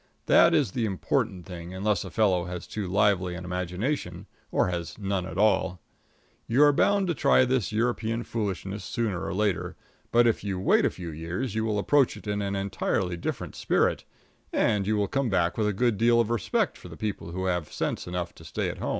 That is the important thing, unless a fellow has too lively an imagination, or has none at all. You are bound to try this European foolishness sooner or later, but if you will wait a few years, you will approach it in an entirely different spirit and you will come back with a good deal of respect for the people who have sense enough to stay at home.